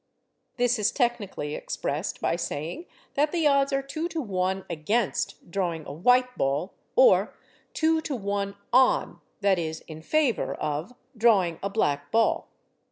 This is technically expressed by saying that the odds are 2 to 1 against drawing a white ball; or 2 to 1 on (that is, in favour of) drawing a black ball.